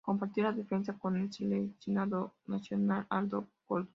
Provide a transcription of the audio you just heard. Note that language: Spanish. Compartió la defensa con el seleccionado nacional Aldo Corzo.